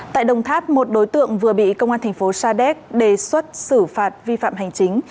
tại đồng tháp một đối tượng vừa bị công an thành phố sa đéc đề xuất xử phạt vi phạm hành chính